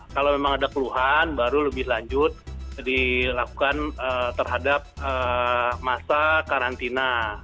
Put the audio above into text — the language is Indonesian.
kalau memang ada keluhan baru lebih lanjut dilakukan terhadap masa karantina